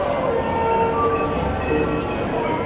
สวัสดีครับ